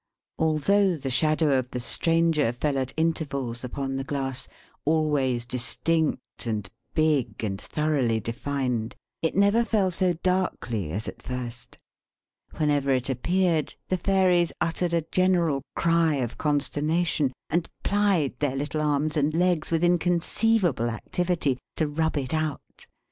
Although the shadow of the Stranger fell at intervals upon the glass always distinct, and big, and thoroughly defined it never fell so darkly as at first. Whenever it appeared, the Fairies uttered a general cry of consternation, and plied their little arms and legs, with inconceivable activity, to rub it out.